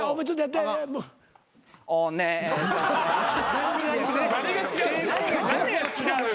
何が違う？